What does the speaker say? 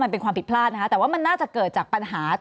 มันเป็นความผิดพลาดนะคะแต่ว่ามันน่าจะเกิดจากปัญหา